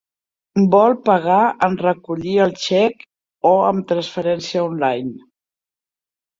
Vol pagar en recollir el xec o amb transferència online?